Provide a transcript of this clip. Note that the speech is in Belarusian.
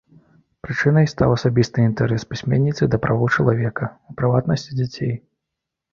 Прычынай стаў асабісты інтарэс пісьменніцы да правоў чалавека, у прыватнасці дзяцей.